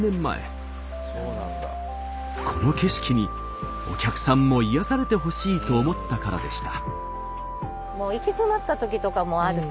この景色にお客さんも癒やされてほしいと思ったからでした。